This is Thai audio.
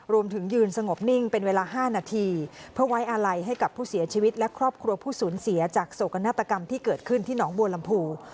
ยืนสงบนิ่งเป็นเวลา๕นาทีเพื่อไว้อาลัยให้กับผู้เสียชีวิตและครอบครัวผู้สูญเสียจากโศกนาฏกรรมที่เกิดขึ้นที่หนองบัวลำพู